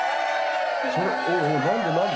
それおいおい何で何で？